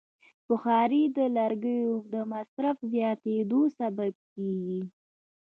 بخاري د لرګیو د مصرف زیاتیدو سبب کېږي.